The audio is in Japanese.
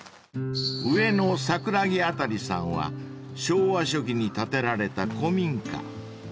［上野桜木あたりさんは昭和初期に建てられた古民家］